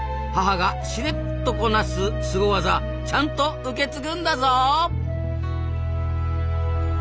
母がしれっとこなすスゴ技ちゃんと受け継ぐんだぞ！